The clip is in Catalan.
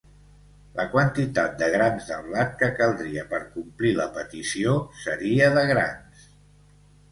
La quantitat de grans de blat que caldria per complir la petició seria de grans.